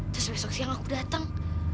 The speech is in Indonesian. terus besok siang aku datang